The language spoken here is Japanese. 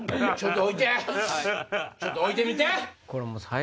ちょっと置いてみて！